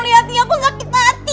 lihat ini aku sakit hati